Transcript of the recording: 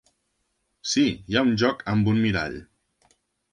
Sí, hi ha un joc amb un mirall.